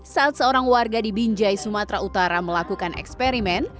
saat seorang warga di binjai sumatera utara melakukan eksperimen